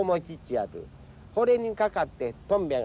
ほれにかかって飛んびぁ